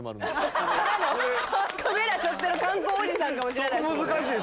カメラしょってる観光おじさんかもしれないですもんね